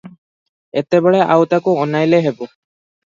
ଏତେବେଳେ ଆଉ ତାକୁ ଅନାଇଲେ ହେବ?